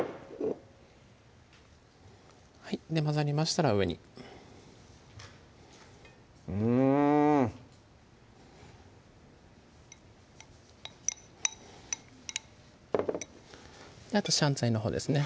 混ざりましたら上にうんあとシャンツァイのほうですね